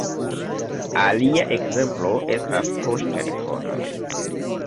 Alia ekzemplo estas poŝtelefonoj.